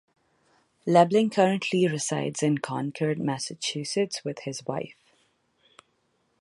Lebling currently resides in Concord, Massachusetts with his wife.